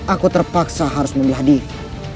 aku terpaksa harus membelah diri